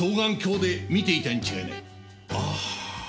ああ。